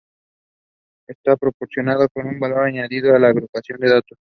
Esto proporciona un valor añadido a la agrupación de datos.